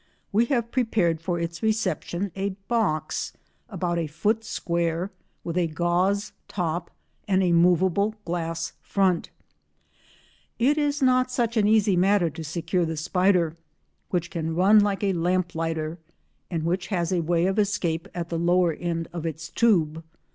We have prepared for its reception a box about a foot square, with a gauze top and a movable glass front. It is not such an easy matter to secure the spider, which can run like a lamp lighter, and which has a way of escape at the lower end of its tube.